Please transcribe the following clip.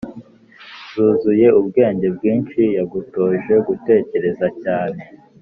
zuzuye ubwenge bwinshi yagutoje gutekereza cyane